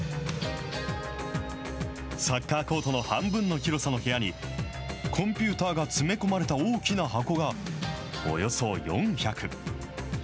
サッカーコートの半分の広さの部屋に、コンピューターが詰め込まれた大きな箱がおよそ４００。